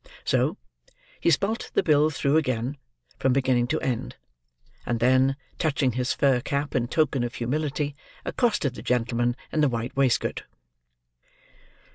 So, he spelt the bill through again, from beginning to end; and then, touching his fur cap in token of humility, accosted the gentleman in the white waistcoat.